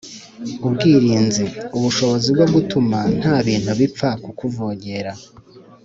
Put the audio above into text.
ubwirinzi: ubushobozi bwo gutuma nta bintu bipfa kukuvogera